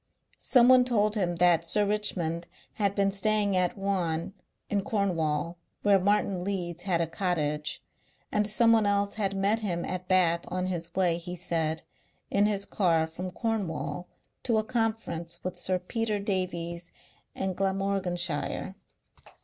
Someone told him that Sir Richmond had been staying at Ruan in Cornwall where Martin Leeds had a cottage, and someone else had met him at Bath on his way, he said, in his car from Cornwall to a conference with Sir Peter Davies in Glamorganshire.